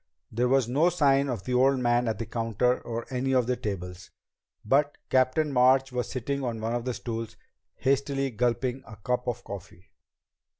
There was no sign of the old man at the counter or any of the tables, but Captain March was sitting on one of the stools, hastily gulping a cup of coffee.